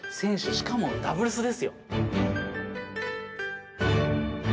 しかもダブルスですよ。